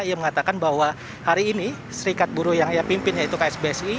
ia mengatakan bahwa hari ini serikat buruh yang ia pimpin yaitu ksbsi